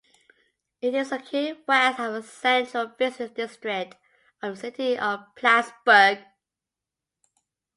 It is located west of the central business district of the city of Plattsburgh.